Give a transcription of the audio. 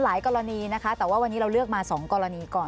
จริงมันหลายกรณีนะคะแต่ว่าวันนี้เราเลือกมา๒กรณีก่อน